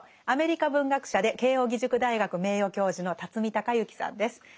アメリカ文学者で慶應義塾大学名誉教授の孝之さんです。